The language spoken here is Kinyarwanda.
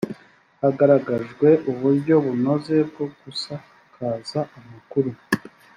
hagaragajwwe uburyo bunoze bwo gusakaza amakuru